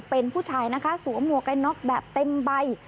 เป็นผู้ชายนะคะสวมหมวกกันน็อกแบบเต็มใบ